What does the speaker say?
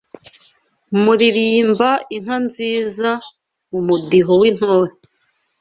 Muririmba inka nziza Mu mudiho w’intore